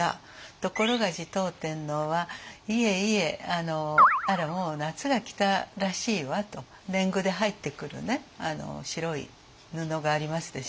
ところが持統天皇は「いえいえもう夏が来たらしいわ」と。年貢で入ってくる白い布がありますでしょ。